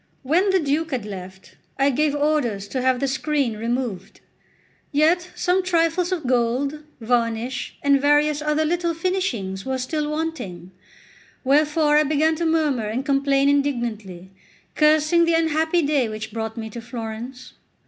When the Duke had left, I gave orders to have the screen removed. Yet some trifles of gold, varnish, and various other little finishings were still wanting; wherefore I began to murmur and complain indignantly, cursing the unhappy day which brought me to Florence.